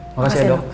makasih ya dok